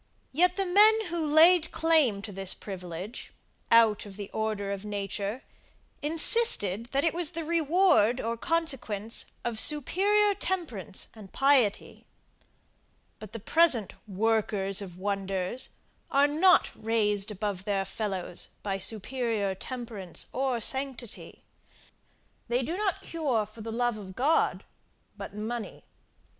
Yet the men who laid claim to this privilege, out of the order of nature, insisted, that it was the reward or consequence of superior temperance and piety. But the present workers of wonders are not raised above their fellows by superior temperance or sanctity. They do not cure for the love of God, but money.